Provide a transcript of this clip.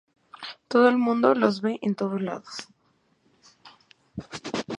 Todo el mundo los ve en todos lados.